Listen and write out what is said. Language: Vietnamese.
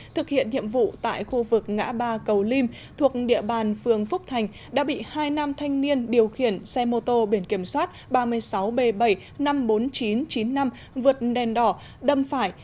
thực hiện nhiệm vụ tại khu vực ngã ba cầu lim thuộc địa bàn phường phúc thành đã bị hai nam thanh niên điều khiển xe mô tô biển kiểm soát ba mươi sáu b bảy trăm năm mươi bốn nghìn chín trăm chín mươi năm vượt đèn đỏ đâm phải